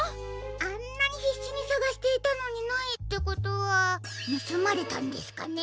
あんなにひっしにさがしていたのにないってことはぬすまれたんですかね？